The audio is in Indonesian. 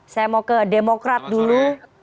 saya mau ke demokrat dulu